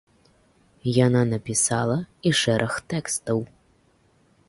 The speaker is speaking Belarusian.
Яна напісала і шэраг тэкстаў.